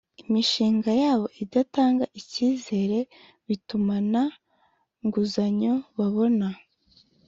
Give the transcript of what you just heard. imishinga yabo idatanga icyizere bituma nta nguzanyo babona